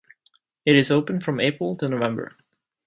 It is open from April to November.